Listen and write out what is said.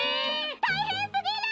たいへんすぎる！